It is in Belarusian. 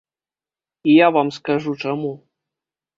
І я вам скажу чаму.